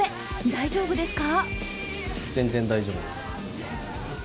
大丈夫ですか？